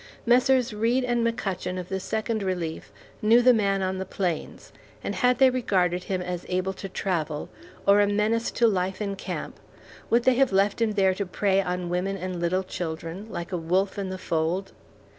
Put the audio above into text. Messrs. Reed and McCutchen of the Second Relief knew the man on the plains, and had they regarded him as able to travel, or a menace to life in camp, would they have left him there to prey on women and little children, like a wolf in the fold?